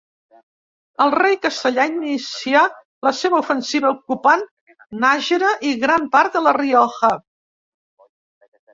El rei castellà inicià la seva ofensiva ocupant Nájera i gran part de la Rioja.